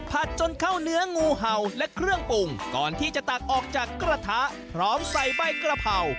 จนเข้าเนื้องูเห่าและเครื่องปรุงก่อนที่จะตักออกจากกระทะพร้อมใส่ใบกระเพรา